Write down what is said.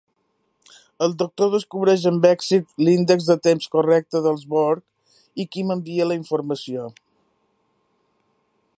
El doctor descobreix amb èxit l'índex de temps correcte dels Borg i Kim envia la informació.